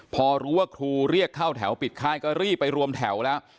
พอรู้ว่าครูเรียกเข้าแถวปิดค่ายก็รีบไปรวมแถวแล้ว